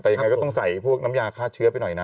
แต่ยังไงก็ต้องใส่พวกน้ำยาฆ่าเชื้อไปหน่อยนะ